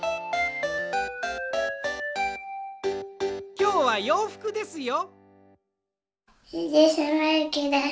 きょうはようふくですよ。